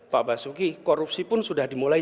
pak basuki korupsi pun sudah dimulai